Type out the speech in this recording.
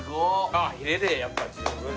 あっヒレでやっぱり十分だ。